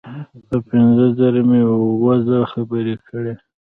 په پنځه زره مې وزه خبرې کړې.